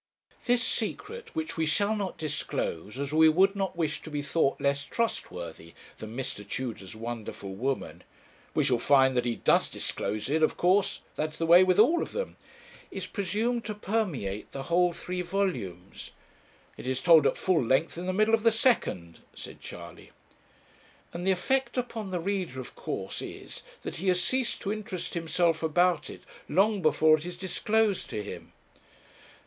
'This secret, which we shall not disclose, as we would not wish to be thought less trustworthy than Mr. Tudor's wonderful woman ' 'We shall find that he does disclose it, of course; that is the way with all of them.' 'Is presumed to permeate the whole three volumes.' 'It is told at full length in the middle of the second,' said Charley. 'And the effect upon the reader of course is, that he has ceased to interest himself about it, long before it is disclosed to him!